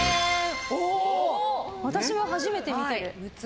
私も初めて見る。